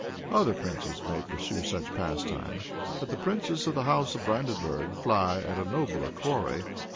Other princes may pursue such pastime; but the princes of the house of Brandenburg fly at a nobler quarry.